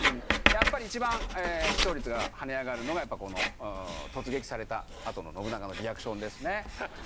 やっぱり一番視聴率が跳ね上がるのがこの突撃された後の信長のリアクションですね。